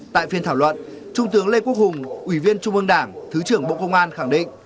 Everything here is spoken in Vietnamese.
tại phiên thảo luận trung tướng lê quốc hùng ủy viên trung ương đảng thứ trưởng bộ công an khẳng định